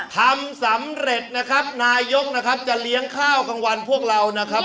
ทำสำเร็จนะครับนายกนะครับจะเลี้ยงข้าวกลางวันพวกเรานะครับ